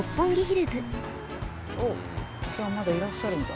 おっじゃあまだいらっしゃるんだ。